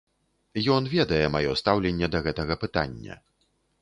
Ён ведае маё стаўленне да гэтага пытання.